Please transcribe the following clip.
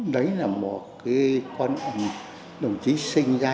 đấy là một con đồng chí sinh ra